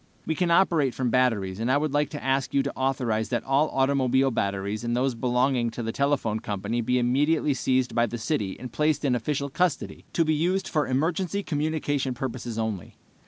We can operate from batteries, and I would like to ask you to authorize that all automobile batteries and those belonging to the telephone company be immediately seized by the city and placed in official custody, to be used for emergency communication purposes only.